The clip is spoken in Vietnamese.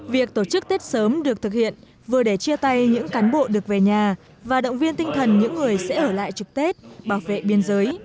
việc tổ chức tết sớm được thực hiện vừa để chia tay những cán bộ được về nhà và động viên tinh thần những người sẽ ở lại trực tết bảo vệ biên giới